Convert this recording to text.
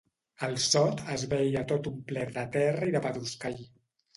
El sot es veia tot omplert de terra i de pedruscall.